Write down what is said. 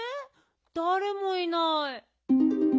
だれもいない。